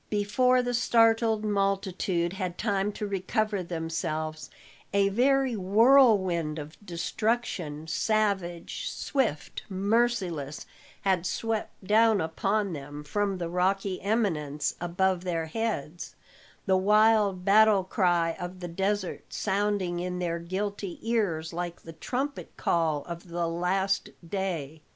Before the startled multitude had time to recover themselves, a very whirlwind of destruction, savage, swift, merciless, had swept down upon them from the rocky eminence above their heads, the wild battle cry of the desert sounding in their guilty ears like the trumpet call of the last day.